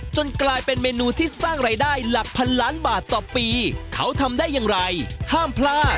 กลายเป็นเมนูที่สร้างรายได้หลักพันล้านบาทต่อปีเขาทำได้อย่างไรห้ามพลาด